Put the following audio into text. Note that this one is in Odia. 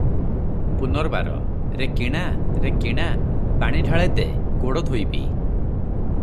ପୁନର୍ବାର - "ରେ କିଣା, ରେ କିଣା! ପାଣି ଢାଳେ ଦେ" ଗୋଡ ଧୋଇବି ।